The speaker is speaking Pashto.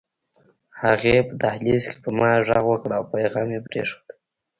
هغې په دهلېز کې په ما غږ وکړ او پيغام يې پرېښود